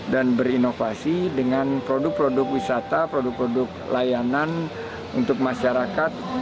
dan berinovasi dengan produk produk wisata produk produk layanan untuk masyarakat